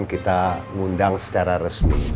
kita ngundang secara resmi